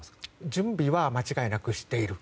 準備は間違いなくしている。